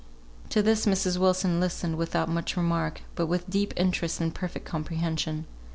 To this Mrs. Wilson listened without much remark, but with deep interest and perfect comprehension.